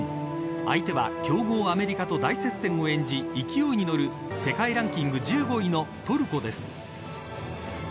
相手は強豪アメリカと大接戦を演じ勢いに乗る世界ランキング１５位のトルコです。